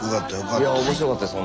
いや面白かったです